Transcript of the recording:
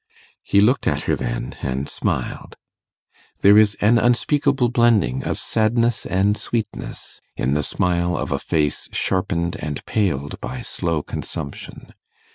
He looked at her then, and smiled. There is an unspeakable blending of sadness and sweetness in the smile of a face sharpened and paled by slow consumption.